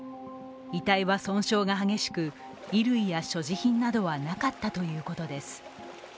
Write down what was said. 遺体は損傷が激しく、衣類や所持品などはなかったということです。